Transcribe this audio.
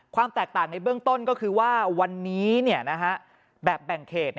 ความแตกต่างในเบื้องต้นก็คือว่าวันนี้แบบแบ่งเขต